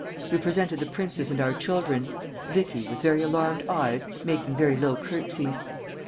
We presented the princes and our children (Vicky, with very alarmed eyes, making very low courtesies).